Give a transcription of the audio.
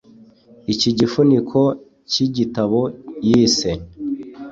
Iki gifuniko cy’igitabo yise